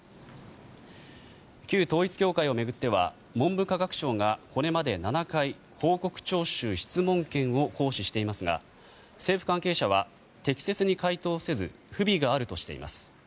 旧統一教会を巡っては文部科学省がこれまで７回報告徴収・質問権を行使していますが政府関係者は適切に回答せず不備があるとしています。